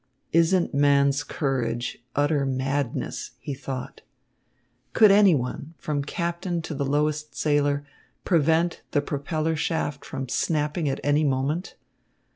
"Isn't man's courage utter madness?" he thought. Could any one, from captain to the lowest sailor, prevent the propeller shaft from snapping at any moment?